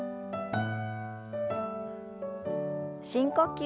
深呼吸。